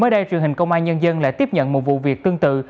mới đây truyền hình công an nhân dân lại tiếp nhận một vụ việc tương tự